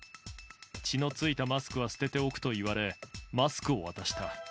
血のついたマスクは捨てておくと言われ、マスクを渡した。